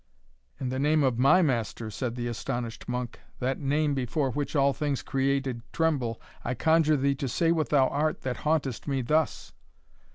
"In the name of MY Master," said the astonished monk, "that name before which all things created tremble, I conjure thee to say what thou art that hauntest me thus?"